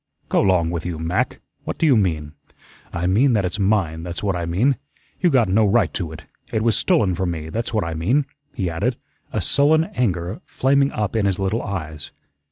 "Go 'long with you, Mac. What do you mean?" "I mean that it's mine, that's what I mean. You got no right to it. It was STOLEN from me, that's what I mean," he added, a sullen anger flaming up in his little eyes.